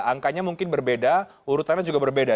angkanya mungkin berbeda urutannya juga berbeda